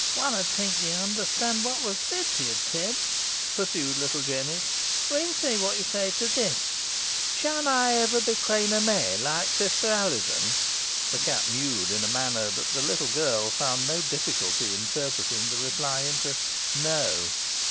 "One 'ud think ye onderstud whot wos said to ye, Tib," pursued little Jennet. "We'n see whot ye say to this! Shan ey ever be Queen o' May, like sister Alizon?" The cat mewed in a manner that the little girl found no difficulty in interpreting the reply into "No."